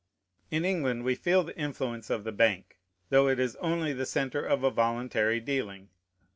In England we feel the influence of the Bank, though it is only the centre of a voluntary dealing.